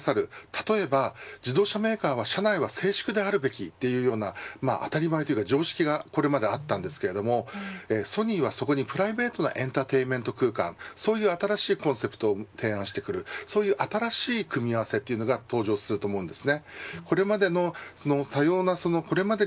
例えば自動車メーカーは車内は静粛であるべきという常識がこれまでありましたがソニーはそこにプライベートなエンターテインメント空間そういう新しいコンセプトを提案してくる新しい組み合わせというのが登場すると思います。